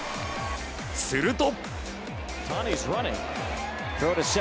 すると。